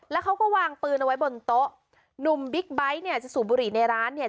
แล้วเขาก็วางปืนเอาไว้บนโต๊ะหนุ่มบิ๊กไบท์เนี่ยจะสูบบุหรี่ในร้านเนี่ย